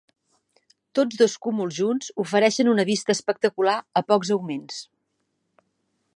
Tots dos cúmuls junts ofereixen una vista espectacular a pocs augments.